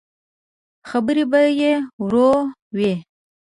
خبرې به يې ورو وې.